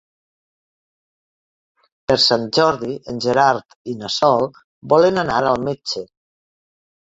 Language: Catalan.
Per Sant Jordi en Gerard i na Sol volen anar al metge.